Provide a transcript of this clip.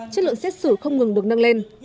chất lượng xét xử không ngừng được nâng lên